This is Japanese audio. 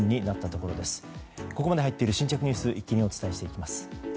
ここまで入っている新着ニュースを一気にお伝えしていきます。